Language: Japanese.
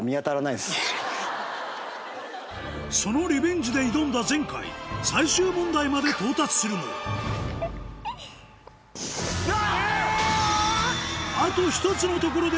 そのリベンジで挑んだ前回最終問題まで到達するもわ！